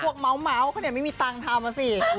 พวกเมาท์เขาไม่มีตังค์ทำมาสิ